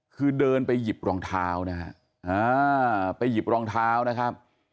คือเดินไปหยิบรองเท้านะฮะไปหยิบรองเท้านะครับ